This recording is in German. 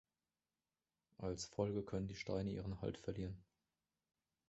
Als Folge können die Steine ihren Halt verlieren.